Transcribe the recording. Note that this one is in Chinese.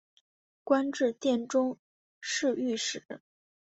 官至殿中侍御史。